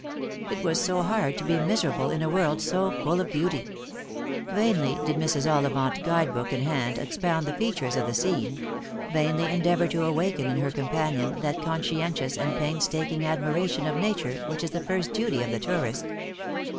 It was so hard to be miserable in a world so full of beauty. Vainly did Mrs. Ollivant, guide book in hand, expound the features of the scene ; vainly endeavour to awaken in her companion that conscientious and painstaking admiration of nature which is the first duty of the tourist.